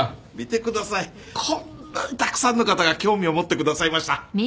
こんなにたくさんの方が興味を持ってくださいました。